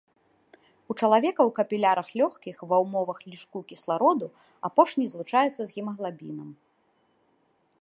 У чалавека ў капілярах лёгкіх ва ўмовах лішку кіслароду апошні злучаецца з гемаглабінам.